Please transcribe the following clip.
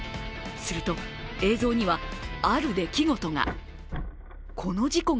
すると映像には、ある出来事が。